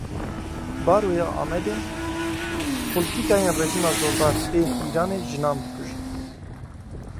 Baroya Amedê: Polîtîkayên rejîma zordar ên Îranê jinan dikujin.